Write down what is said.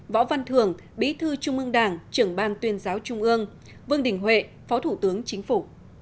võ văn thường bí thư trung ương đảng trưởng ban tuyên giáo trung ương vương đình huệ phó thủ tướng chính phủ